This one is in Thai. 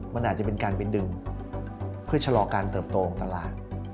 มันอาจจะเป็นการไปดึงเพื่อชะลอการเติบโตของตลาด